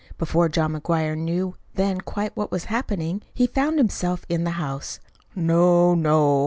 Before John McGuire knew then quite what was happening, he found himself in the house. "No, no!